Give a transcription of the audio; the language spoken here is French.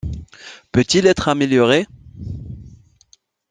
Peut-il être amélioré?